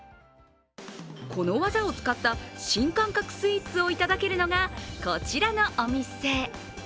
この技を使った新感覚スイーツをいただけるのがこちらのお店。